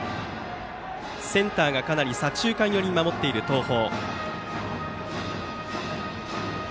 センターがかなり左中間寄りに守っている東邦。